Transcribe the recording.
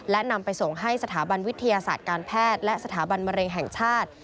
และนำไปส่งให้สถาบันวิทยาศาสตร์การแพทย์และสถาบันมะเร็งแห่งชาติ